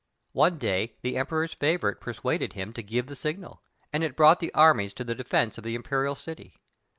One day the emperor's favorite persuaded him to give the signal, and it brought the armies to the defense of the imperial city.